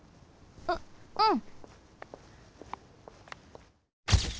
ううん。